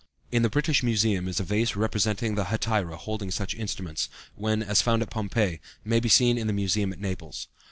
In the British Museum is a vase representing a hetaira holding such instruments, which, as found at Pompeii, may be seen in the museum at Naples.